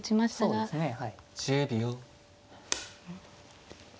そうですね。